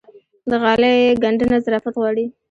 د غالۍ ګنډنه ظرافت غواړي.